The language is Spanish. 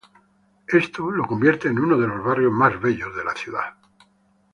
Esto lo convierte en uno de los barrios más bellos de la ciudad.